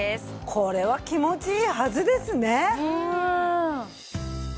これは気持ちいいはずですね。